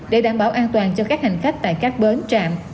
để đảm bảo an toàn cho các hành khách tại các bến trạm